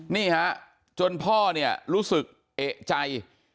นี่ฮะจนพ่อเนี่ยรู้สึกเอกใจ